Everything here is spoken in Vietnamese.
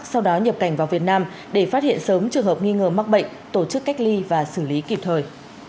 sau đó nhập cảnh vào việt nam để phát hiện sớm trường hợp nghi ngờ mắc bệnh tổ chức cách ly và xử lý kịp thời